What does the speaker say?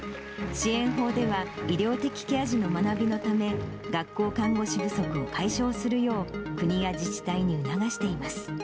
支援法では、医療的ケア児の学びのため、学校看護師不足を解消するよう、国や自治体に促しています。